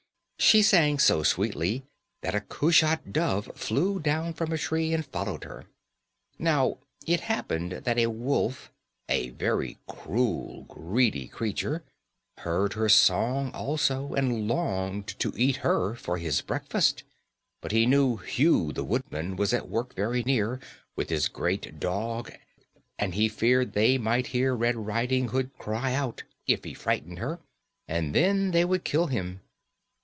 She sang so sweetly that a cushat dove flew down from a tree and followed her. Now, it happened that a wolf, a very cruel, greedy creature, heard her song also, and longed to eat her for his breakfast, but he knew Hugh, the woodman, was at work very near, with his great dog, and he feared they might hear Red Riding Hood cry out, if he frightened her, and then they would kill him.